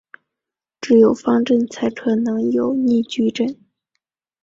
只有方阵才可能有逆矩阵。